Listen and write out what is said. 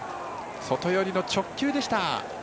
外寄りの直球でした。